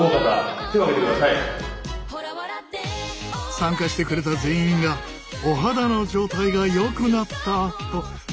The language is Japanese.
参加してくれた全員がお肌の状態がよくなったと実感したぞ。